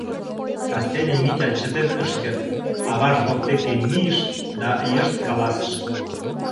Кастене Митя чытен ыш керт, аваж воктеке мийыш да йышт каласыш: